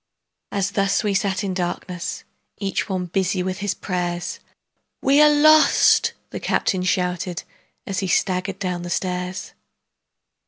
As thus we sat in darkness Each one busy with his prayers, "We are lost!" the captain shouted, As he staggered down the stairs.